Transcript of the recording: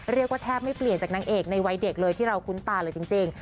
เรียกว่าแทบไม่เปลี่ยนจากนางเอกในวัยเด็กเลยที่เราคุ้นตาเลยจริง